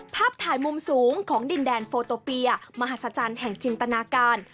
ภาพถ่ายมุมสูงของดินแดนโฟโตเปียมหัศจรรย์แห่งจินตนาการ